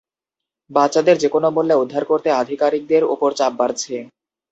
বাচ্চাদের যেকোনো মূল্যে উদ্ধার করতে আধিকারিকদের ওপর চাপ বাড়ছে।